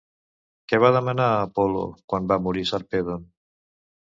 Què va demanar a Apol·lo quan va morir Sarpèdon?